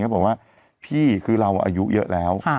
บอกว่าพี่คือเราอายุเยอะแล้ว